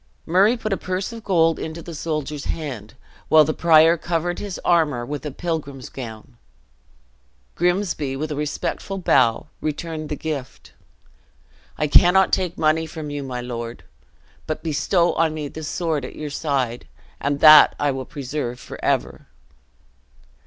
Murray put a purse of gold into the soldier's hand, while the prior covered his armor with a pilgrim's gown. Grimsby, with a respectful bow, returned the gift; "I cannot take money from you, my lord. But bestow on me the sword at your side, and that I will preserve forever."